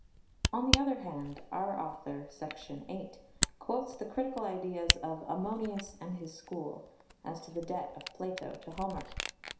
On the other hand, our author (Section XIII) quotes the critical ideas of "Ammonius and his school," as to the debt of Plato to Homer.